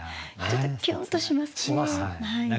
ちょっとキュンとしますね。